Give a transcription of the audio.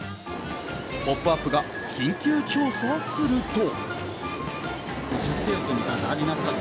「ポップＵＰ！」が緊急調査すると。